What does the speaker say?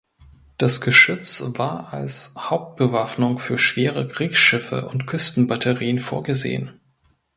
Das Geschütz war als Hauptbewaffnung für schwere Kriegsschiffe und Küstenbatterien vorgesehen.